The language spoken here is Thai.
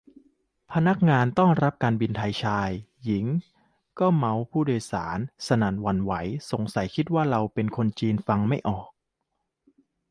พนักงานต้อนรับการบินไทยชายหญิงก็เมาท์ผู้โดยสารสนั่นหวั่นไหว สงสัยคิดว่าเราเป็นคนจีนฟังไม่ออก